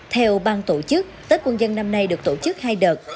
theo bang tổ chức tết quân dân năm nay được tổ chức hai đợt